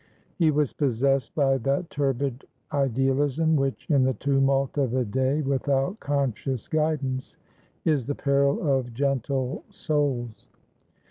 He was possessed by that turbid idealism which, in the tumult of a day without conscious guidance, is the peril of gentle souls.